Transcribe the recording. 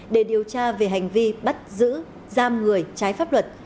để điều tra về hành vi bắt giữ giam người trái pháp luật